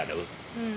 うん。